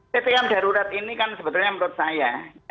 ppkm darurat ini kan sebetulnya menurut saya